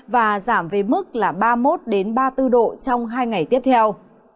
và giảm về mức là ba mươi một ba mươi bốn độ trong hai ngày tiếp theo